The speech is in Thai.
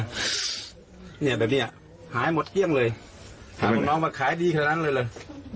เนี่ยแบบเนี้ยหายหมดเที่ยงเลยหาลูกน้องมาขายดีขนาดนั้นเลยเลย